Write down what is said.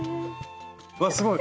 わっすごい！